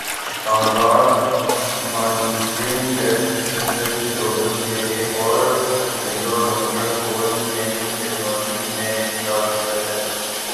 اسلام آباد monitoring desk Intel global نے ایک اور ونڈو نوکیا فون نئی ٹیکنالوجی میں ایجاد کیا ہے